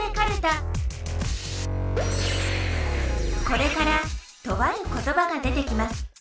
これからとあることばが出てきます。